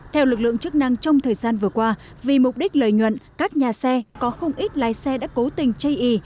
theo lực lượng chức năng trong thời gian vừa qua vì mục đích lợi nhuận các nhà xe có không ít lái xe đã cố tình chây ý